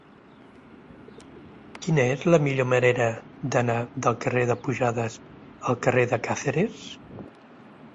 Quina és la millor manera d'anar del carrer de Pujades al carrer de Càceres?